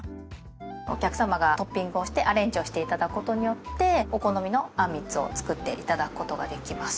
お客様がトッピングをしてアレンジをして頂く事によってお好みのあんみつを作って頂く事ができます。